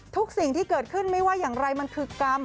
สิ่งที่เกิดขึ้นไม่ว่าอย่างไรมันคือกรรม